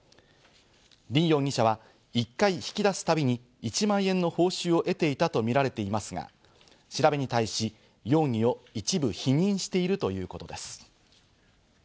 リン容疑者は１回引き出すたびに１万円の報酬を得ていたとみられていますが、調べに対し、容疑を一部否認しているということです。